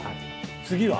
次は？